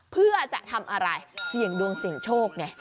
เพื่อจะทำอะไรเสี่ยงดวงเสี่ยงโชคไง